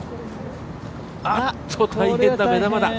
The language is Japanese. あっと、大変だ、目玉だ。